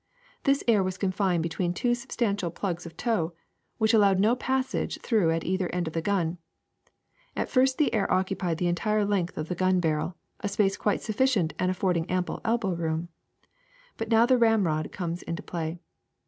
This air was confined between two substantial plugs of tow, which allowed no passage through at either end of the gun. At first the air occupied the entire length of the gun barrel, a space quite sufficient and affording ample elbow room. But now the ramrod comes into play.